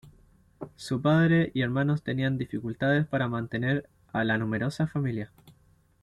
Su padre y hermanos tenían dificultades para mantener a la numerosa familia.